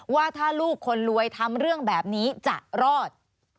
ว่าถ้าลูกคนรวยทำเรื่องแบบนี้จะรอด